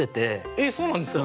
えっそうなんですか！